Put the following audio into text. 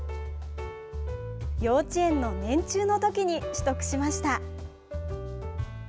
幼稚園の年中のときに取得しました。